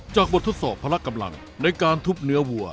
บททดสอบพละกำลังในการทุบเนื้อวัว